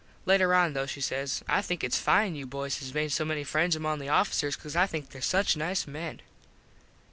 Later on though she says. "I think its fine you boys has made so many friends among the officers cause I think there such nice men."